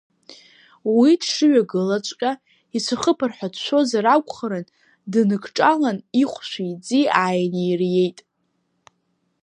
Уи дшыҩагылазҵәҟьа, ицәахыԥар ҳәа дшәозар акәхарын, дныкҿалан ихәшәи иӡи ааинириеит.